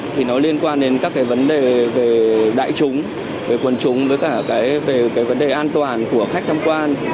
thì nó liên quan đến các cái vấn đề về đại chúng về quần chúng với cả cái về cái vấn đề an toàn của khách tham quan